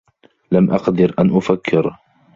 لم أقدر أن أفكّر.